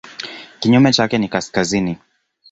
Kinyume chake ni kaskazini.